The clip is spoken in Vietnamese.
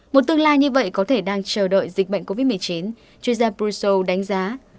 một tương lai như vậy có thể đang chờ đợi dịch bệnh covid một mươi chín chuyên gia puto đánh giá